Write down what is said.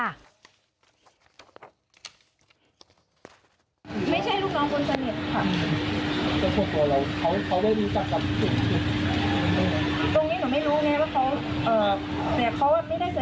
ไม่ใช่ลูกน้องคนสนิทค่ะ